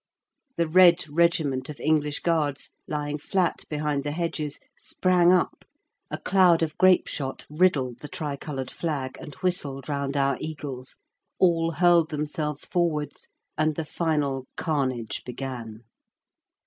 The red regiment of English guards, lying flat behind the hedges, sprang up, a cloud of grape shot riddled the tricolored flag and whistled round our eagles; all hurled themselves forwards, and the final carnage began.